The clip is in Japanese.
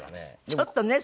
ちょっとね